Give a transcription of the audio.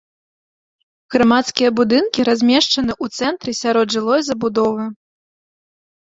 Грамадскія будынкі размешчаны ў цэнтры сярод жылой забудовы.